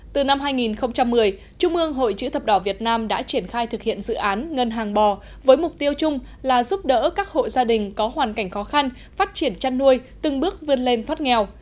từ năm hai nghìn một mươi trung ương hội chữ thập đỏ việt nam đã triển khai thực hiện dự án ngân hàng bò với mục tiêu chung là giúp đỡ các hộ gia đình có hoàn cảnh khó khăn phát triển chăn nuôi từng bước vươn lên thoát nghèo